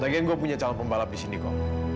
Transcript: lagian gue punya calon pembalap di sini kok